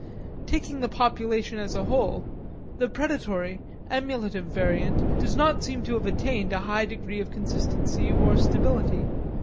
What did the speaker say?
Taking the population as a whole, this predatory, emulative variant does not seem to have attained a high degree of consistency or stability.